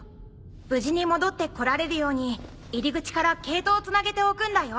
無事に戻ってこられるように入り口から毛糸をつなげておくんだよ。